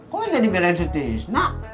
kok kan tadi belain si cisna